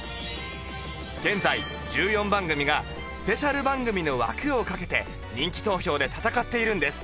現在１４番組がスペシャル番組の枠をかけて人気投票で戦っているんです！